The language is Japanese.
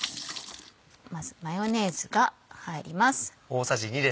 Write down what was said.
まずマヨネーズが入ります。